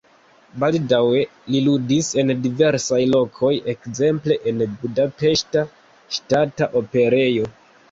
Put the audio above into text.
Baldaŭe li ludis en diversaj lokoj, ekzemple en Budapeŝta Ŝtata Operejo.